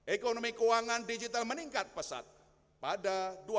ekonomi keuangan digital meningkat pesat pada dua ribu dua puluh